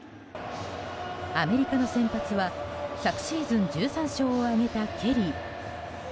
アメリカの先発は昨シーズン１３勝を挙げたケリー。